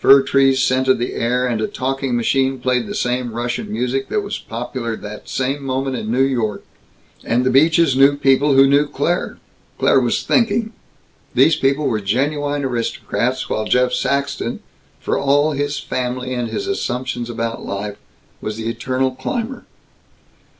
Fir trees scented the air, and a talking machine played the same Russian music that was popular that same moment in New York. And the Beaches knew people who knew Claire. Claire was thinking. These people were genuine aristocrats, while Jeff Saxton, for all his family and his assumptions about life, was the eternal climber.